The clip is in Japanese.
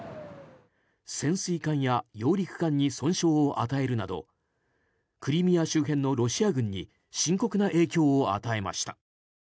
潜水艦や揚陸艦に損傷を与えるなどクリミア周辺のロシア軍に深刻な影響を与えました。